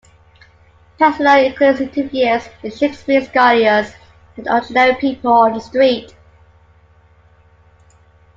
Pacino includes interviews with Shakespeare scholars and ordinary people on the street.